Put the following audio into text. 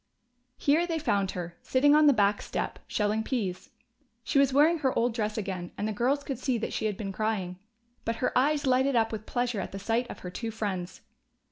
Here they found her, sitting on the back step, shelling peas. She was wearing her old dress again, and the girls could see that she had been crying. But her eyes lighted up with pleasure at the sight of her two friends.